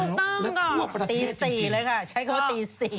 แล้วทั่วประเทศจริงค่ะใช้คำว่าตี๔ค่ะใช้คำว่าตี๔